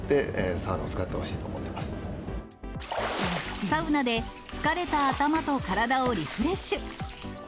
サウナで疲れた頭と体をリフレッシュ。